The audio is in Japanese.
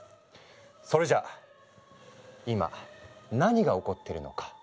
それじゃあ今何が起こってるのか？